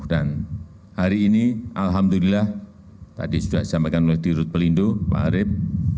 dan hari ini alhamdulillah tadi sudah disampaikan oleh dirut pelindo pak arief